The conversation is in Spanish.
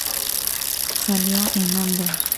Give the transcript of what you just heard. Salió en hombros.